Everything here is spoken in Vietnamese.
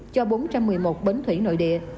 cho bốn trăm một mươi một bến thủy nội địa